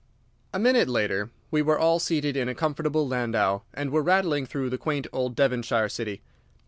A minute later we were all seated in a comfortable landau, and were rattling through the quaint old Devonshire city.